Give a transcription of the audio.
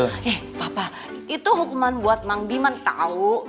eh papa itu hukuman buat mang diman tau